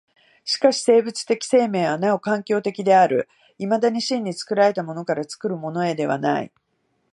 しかし生物的生命はなお環境的である、いまだ真に作られたものから作るものへではない。